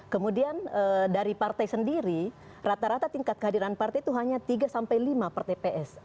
kemudian dari partai sendiri rata rata tingkat kehadiran partai itu hanya tiga sampai lima per tps